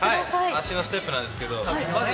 足のステップなんですけれど。